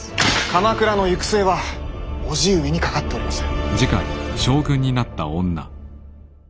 鎌倉の行く末は叔父上にかかっております。